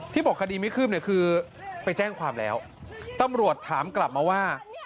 บอกคดีไม่คืบเนี่ยคือไปแจ้งความแล้วตำรวจถามกลับมาว่า